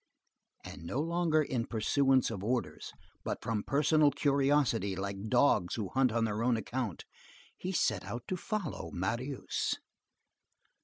And no longer in pursuance of orders, but from personal curiosity, like dogs who hunt on their own account, he set out to follow Marius.